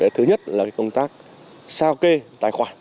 thứ nhất là công tác sao kê tài khoản